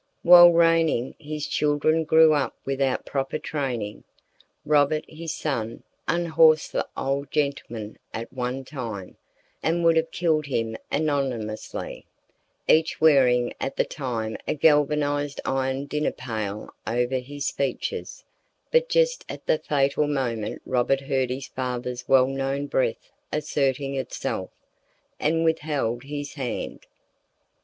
While reigning, his children grew up without proper training. Robert, his son, unhorsed the old gentleman at one time, and would have killed him anonymously, each wearing at the time a galvanized iron dinner pail over his features, but just at the fatal moment Robert heard his father's well known breath asserting itself, and withheld his hand.